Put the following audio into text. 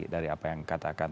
dari apa yang katakan